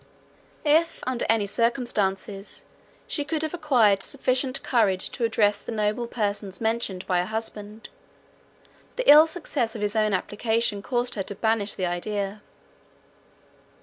If, under any circumstances, she could have acquired sufficient courage to address the noble persons mentioned by her husband, the ill success of his own application caused her to banish the idea.